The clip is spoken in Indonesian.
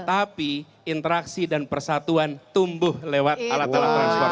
tapi interaksi dan persatuan tumbuh lewat alat alat transportasi